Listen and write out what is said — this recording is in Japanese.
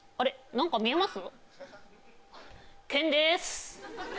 何か見えます？